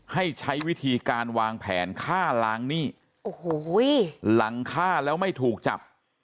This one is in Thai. ให้ใช้วิธีการวางแผนฆ่าล้างหนี้โอ้โหหลังฆ่าแล้วไม่ถูกจับ